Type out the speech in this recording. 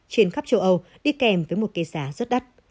trên khắp châu âu đi kèm với một cái giá rất đắt